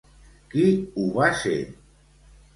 Qui ho va ser?